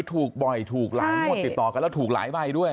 ถูกบ่อยถูกหลายงวดติดต่อกันแล้วถูกหลายใบด้วย